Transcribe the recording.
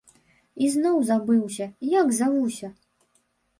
Ізноў забыўся, як завуся?